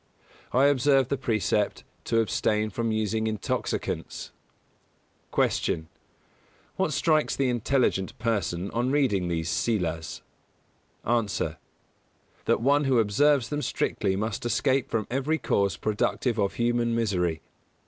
I observe the precept to abstain from using intoxicants. 154. Q. What strikes the intelligent person on reading these Sīlas? A. That one who observes them strictly must escape from every cause productive of human misery.